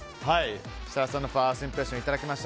設楽さんのファーストインプレッションいただきました。